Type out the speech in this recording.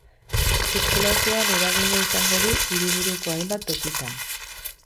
Zirkulazioan eragina izango du hiriburuko hainbat tokitan.